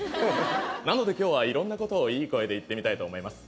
なので今日はいろんな事をいい声で言ってみたいと思います。